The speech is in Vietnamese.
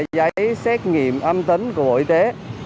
giấy xét nghiệm âm tính của bộ y tế